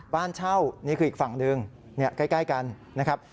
บ้านเช่านี่คืออีกฝั่งหนึ่งใกล้กันนะครับ